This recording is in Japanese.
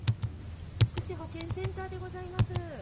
福祉保健センターでございます。